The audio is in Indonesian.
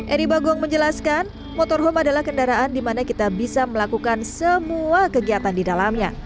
eri bagong menjelaskan motorhome adalah kendaraan di mana kita bisa melakukan semua kegiatan di dalamnya